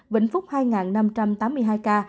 vĩnh phúc hai năm trăm tám mươi hai ca